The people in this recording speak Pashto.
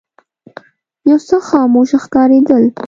یو څه خاموش ښکارېدل.